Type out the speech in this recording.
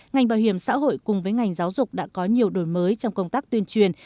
ngành bảo hiểm xã hội cùng với ngành giáo dục đã có nhiều đổi mới trong công tác tuyên truyền